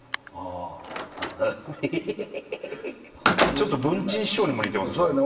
ちょっと文珍師匠にも似てますね。